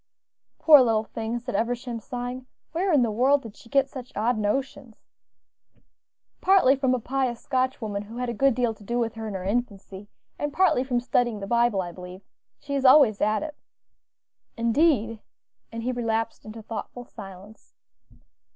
"Poor little thing!" said Eversham, sighing; "where in the world did she get such odd notions?" "Partly from a pious Scotch woman, who had a good deal to do with her in her infancy, and partly from studying the Bible, I believe. She is always at it." "Indeed!" and he relapsed into thoughtful silence.